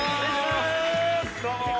どうも。